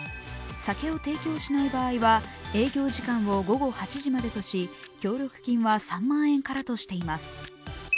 酒を提供しない場合は営業時間を午後８時までとし、協力金は３万円からとしています。